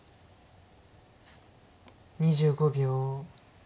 ２５秒。